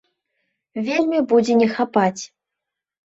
Вельмі будзе не хапаць.